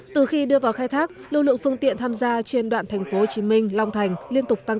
từ khi đưa vào khai thác lưu lượng phương tiện tham gia trên đoạn tp hcm long thành liên tục tăng